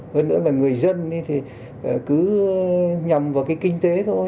hơn nữa là người dân thì cứ nhầm vào cái kinh tế thôi